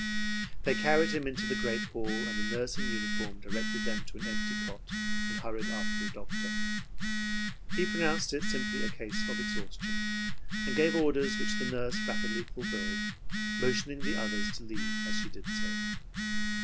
They carried him into the great hall, and a nurse in uniform directed them to an empty cot and hurried after a doctor. He pronounced it simply a case of exhaustion, and gave orders which the nurse rapidly filled, motioning the others to leave as she did so.